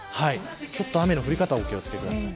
雨の降り方にお気を付けください。